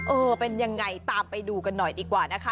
เออเป็นยังไงตามไปดูกันหน่อยดีกว่านะคะ